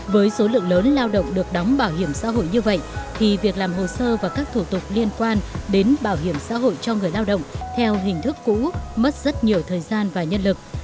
với số lượng lớn lao động được đóng bảo hiểm xã hội như vậy thì việc làm hồ sơ và các thủ tục liên quan đến bảo hiểm xã hội cho người lao động theo hình thức cũ mất rất nhiều thời gian và nhân lực